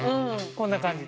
こんな感じ。